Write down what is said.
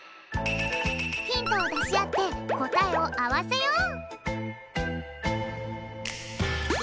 ヒントをだしあってこたえをあわせよう！